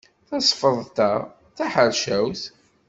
Tasfeḍt-a d taḥercawt.